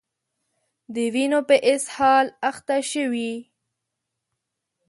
د وینو په اسهال اخته شوي